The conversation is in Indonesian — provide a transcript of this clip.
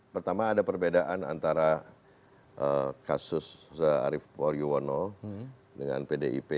pertama ada perbedaan antara kasus arief waryuwono dengan pdip